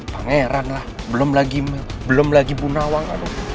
pangeran lah belum lagi belum lagi bunawang